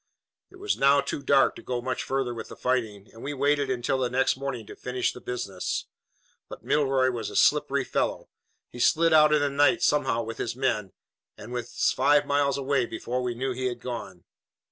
"It was now too dark to go much further with the fighting, and we waited until the next morning to finish the business. But Milroy was a slippery fellow. He slid out in the night somehow with his men, and was five miles away before we knew he had gone.